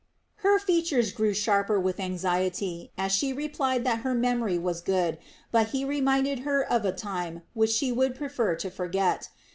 Her features grew sharper with anxiety as she replied that her memory was good but he reminded her of a time which she would prefer to forget.